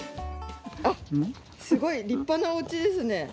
あっすごい立派なお家ですね。